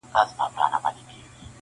شب ګیرو راته سرې کړي ستا له لاسه,